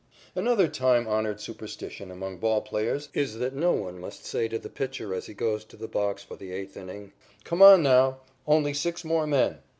Another time honored superstition among ball players is that no one must say to a pitcher as he goes to the box for the eighth inning: "Come on, now. Only six more men."